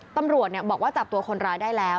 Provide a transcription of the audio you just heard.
ตำรวจบอกว่าจับตัวคนร้ายได้แล้ว